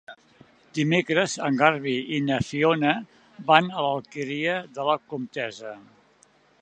Dimecres en Garbí i na Fiona van a l'Alqueria de la Comtessa.